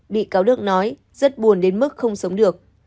bị cáo đức nói rất buồn đến mức không sống được